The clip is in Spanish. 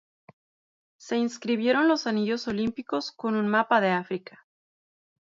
Se inscribieron los anillos olímpicos con un mapa de África.